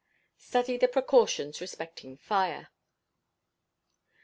[STUDY THE PRECAUTIONS RESPECTING FIRE.